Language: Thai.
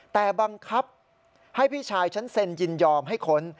แต่บังคับให้พี่ชายฉันเซ็นยินยอมให้ค้น